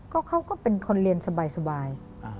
เขาก็เป็นคนเรียนสบาย